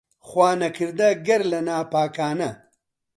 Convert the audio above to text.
خوا نەکەردە گەر لە ناپاکانە